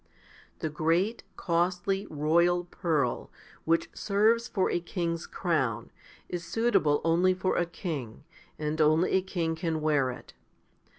1. THE great, costly, royal pearl, which serves for a king's crown, is suitable only for a king, and only a king can wear it.